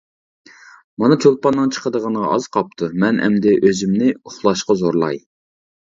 مانا چولپاننىڭ چىقىدىغىنىغا ئاز قاپتۇ، مەن ئەمدى ئۆزۈمنى ئۇخلاشقا زورلاي.